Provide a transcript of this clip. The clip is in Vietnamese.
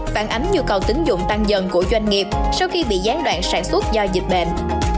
phản ánh nhu cầu tín dụng tăng dần của doanh nghiệp sau khi bị gián đoạn sản xuất do dịch bệnh